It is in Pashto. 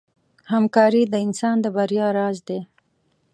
همکاري د انسان د بریا راز دی.